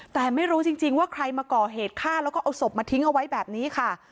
แต่ไม่รู้จริงว่าใครมาก่อเหตุฆ่าแล้วก็เอาศพมาทิ้งเอาไว้แบบนี้ค่ะ